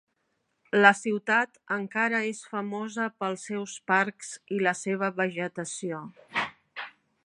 La ciutat encara és famosa pels seus parcs i la seva vegetació.